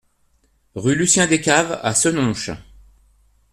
Rue Lucien Descaves à Senonches